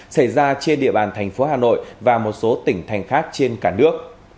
xảy ra trên địa bàn thành phố hà nội và một số tỉnh thành khác trên cả nước